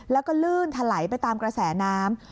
แล้วก็ลื่นถลายไปตามกระแสน้ำ